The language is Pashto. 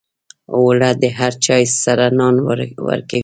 اوړه د هر چای سره نان ورکوي